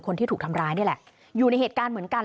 คนที่ถูกทำร้ายนี่แหละอยู่ในเหตุการณ์เหมือนกัน